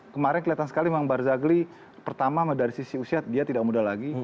kemarin kelihatan sekali memang barzagli pertama dari sisi usia dia tidak muda lagi